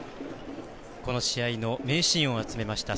この試合の名シーンを集めました